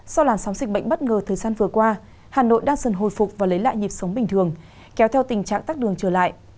sau làn sóng dịch bệnh bất ngờ thời gian vừa qua hà nội đang dần hồi phục và lấy lại nhịp sống bình thường kéo theo tình trạng tắt đường trở lại